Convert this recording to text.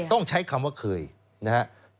จะไม่ใช้คำว่าตอนนี้ขณะนี้มีตำแหน่งอยู่